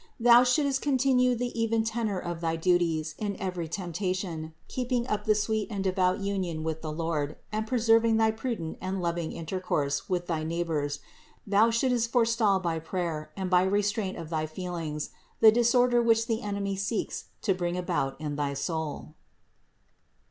Thou shouldst continue in the even tenor of thy duties in every temptation ; keeping up the sweet and devout union with the Lord and preserving thy prudent and loving inter course with thy neighbors, thou shouldst forestall by prayer and by restraint of thy feelings the disorder which the enemy seeks to bring about in thy soul.